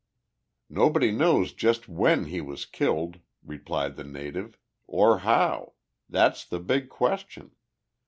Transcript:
"Nobody knows just when he was killed," replied the native, "or how. That's the big question.